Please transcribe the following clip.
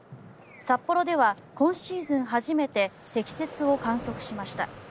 札幌では今シーズン初めて積雪を観測しました。